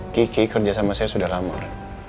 kici kerja sama saya sudah lamar